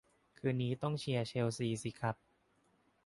คืนนี้ต้องเชียร์เชลซีสิครับ